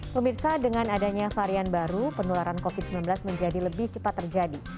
pemirsa dengan adanya varian baru penularan covid sembilan belas menjadi lebih cepat terjadi